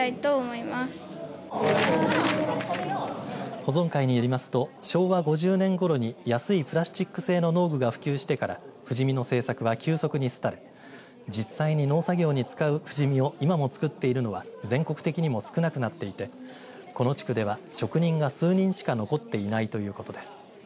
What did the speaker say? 保存会によりますと昭和５０年ごろに安いプラスチック製の農具が普及してから藤箕の製作は急速にすたれ実際に農作業に使う藤箕を今も作っているのは全国的に少なくなっていてこの地区では職人が数人しか残っていないということです。